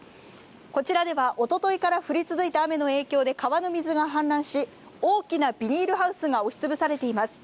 こちらでは、おとといから降り続いた雨の影響で、川の水が氾濫し、大きなビニールハウスが押し潰されています。